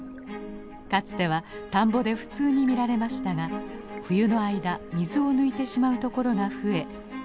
かつては田んぼで普通に見られましたが冬の間水を抜いてしまうところが増え数が減っています。